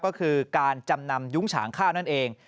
ก็คือการจำนำยุ้งฉางข้าวนั่นเอง